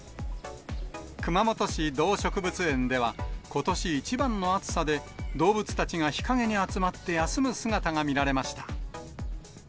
熊本市動植物園では、ことし一番の暑さで、動物たちが日陰に集まって休む姿が見られました。